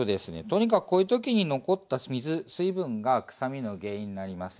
とにかくこういう時に残った水水分がくさみの原因になります。